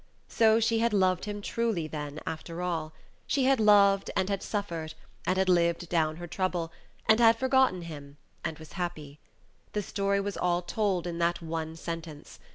So she had loved him truly, then, after all; she had loved and had suffered, and had lived down her trouble, and had forgotten him and was happy. The story was all told in that one sentence.